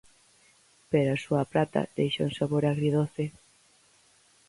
Pero a súa prata deixa un sabor agridoce.